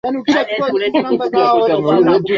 Mwinyi anatokea katika moja ya familia maarufu